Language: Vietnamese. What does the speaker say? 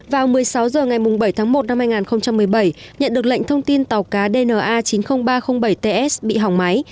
vào một mươi sáu h ngày bảy tháng một năm hai nghìn một mươi bảy nhận được lệnh thông tin tàu cá dna chín mươi nghìn ba trăm linh bảy ts bị hỏng máy